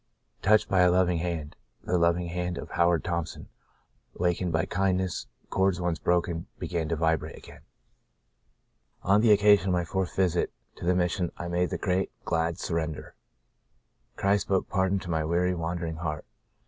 Touched by a loving hand — the loving hand of Howard Thompson — wakened by kindness, cords once broken began to vibrate again. On the occasion of my fourth visit to the Mission I made the great, glad surrender. Christ spoke pardon to my weary, wandering heart.